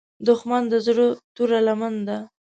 دښمن د زړه توره لمن ده